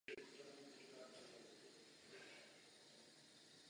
Spolupracující manželky/manželé nemají zajištěno vlastní sociální zabezpečení.